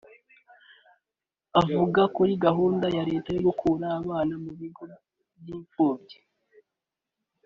Avuga kuri gahunda ya Leta yo gukura abana mu bigo by’imfubyi